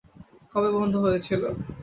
কবে বন্ধ হয়েছিল?